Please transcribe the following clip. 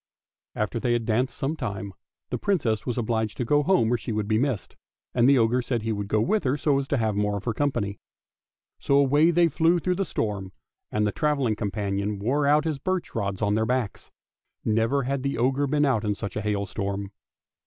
After they had danced some time the Princess was obliged to go home or she would be missed, and the ogre said he would go with her so as to have more of her company. So away they flew through the storm, and the travelling companion wore out his birch rods on their backs; never had the ogre been out in such a hailstorm.